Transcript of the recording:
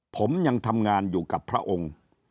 ผมยังทำงานอยู่กับพระองค์